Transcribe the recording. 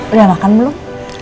udah makan belum